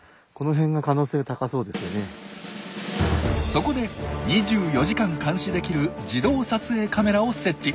そこで２４時間監視できる自動撮影カメラを設置。